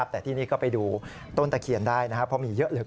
แต่ที่นี่ก็ไปดูต้นตะเคียนได้นะครับเพราะมีเยอะเลย